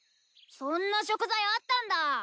そんな食材あったんだ。